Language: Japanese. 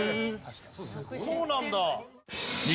そうなんだ！